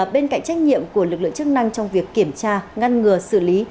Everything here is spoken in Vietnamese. bên cạnh trách nhiệm của lực lượng chức năng trong việc kiểm tra ngăn ngừa xử lý